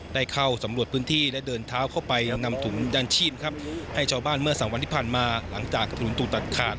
ได้เข้าสำรวจพื้นที่และเดินเท้าเข้าไปยังนำถุงยางชีพครับให้ชาวบ้านเมื่อสามวันที่ผ่านมาหลังจากถนนถูกตัดขาด